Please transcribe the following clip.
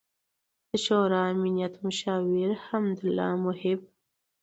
، د شورای امنیت مشاور حمد الله محب